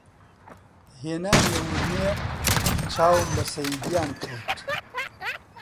هێنامیە ورمێ، چاوم بە سەیادیان کەوت